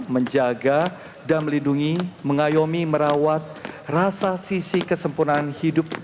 menjaga dan melindungi mengayomi merawat rasa sisi kesempurnaan hidup